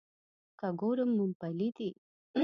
که ګورم مومپلي دي.